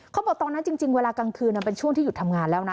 ตอนนั้นจริงเวลากลางคืนมันเป็นช่วงที่หยุดทำงานแล้วนะ